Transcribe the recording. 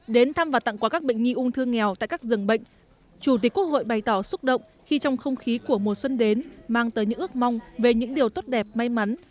đến thăm và tặng quà các bệnh nhi ung thư nghèo tại các rừng bệnh chủ tịch quốc hội bày tỏ xúc động khi trong không khí của mùa xuân đến mang tới những ước mong về những điều tốt đẹp may mắn